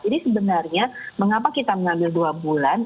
jadi sebenarnya mengapa kita mengambil dua bulan